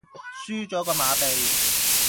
輸左個馬鼻